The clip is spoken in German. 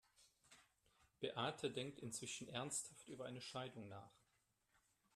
Beate denkt inzwischen ernsthaft über eine Scheidung nach.